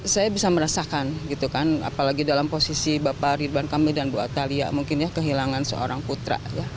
saya bisa merasakan apalagi dalam posisi bapak ridwan kang emil dan bu atalia mungkin kehilangan seorang putra